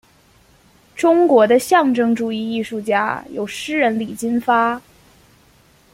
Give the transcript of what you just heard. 中国的象征主义艺术家有诗人李金发。